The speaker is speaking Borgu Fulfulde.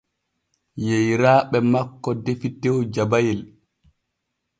Yeyraaɓe makko defi tew jabayel.